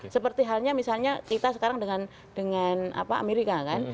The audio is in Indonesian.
seperti halnya misalnya kita sekarang dengan amerika kan